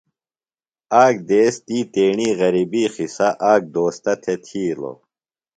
آک دیس تی تیݨیۡ غربی قصہ آک دوستہ تھےۡ تِھیلوۡ۔